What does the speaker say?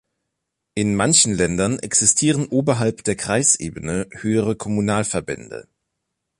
In manchen Ländern existieren oberhalb der Kreisebene höhere Kommunalverbände.